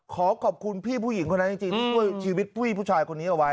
ขอขอบคุณพี่ผู้หญิงคนนั้นจริงชีวิตผู้ชายคนนี้เอาไว้